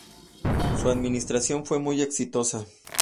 Su administración fue muy exitosa.